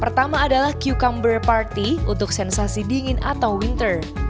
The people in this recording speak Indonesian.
pertama adalah cucumber party untuk sensasi dingin atau winter